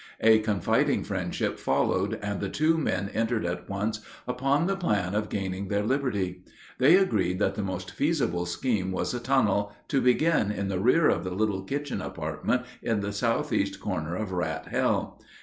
A confiding friendship followed, and the two men entered at once upon the plan of gaining their liberty. They agreed that the most feasible scheme was a tunnel, to begin in the rear of the little kitchen apartment at the southeast corner of Rat Hell.